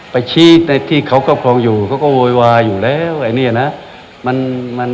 ไปชี้ในที่เขาครอบครองอยู่เขาก็โวยวายอยู่แล้วไอ้เนี่ยนะ